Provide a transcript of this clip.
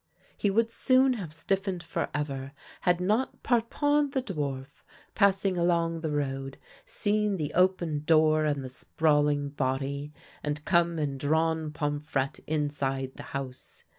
He would soon have stiffened forever had not Par pon the dwarf, passing along the road, seen the open door and the sprawling body, and come and drawn Pomfrette inside the house.